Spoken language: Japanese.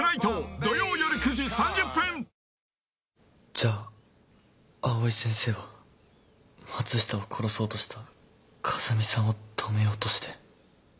じゃあ藍井先生は松下を殺そうとした風見さんを止めようとして。